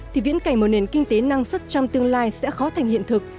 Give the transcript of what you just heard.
thì viễn cảnh một nền kinh tế năng suất trong tương lai sẽ khó thành hiện thực